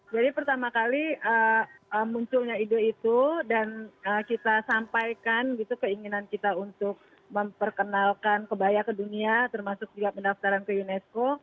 jadi pertama kali munculnya ide itu dan kita sampaikan keinginan kita untuk memperkenalkan kebaya ke dunia termasuk juga pendaftaran ke unesco